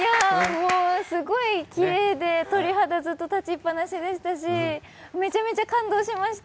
すごいきれいで鳥肌ずっと立ちっぱなしでしたしめちゃめちゃ感動しました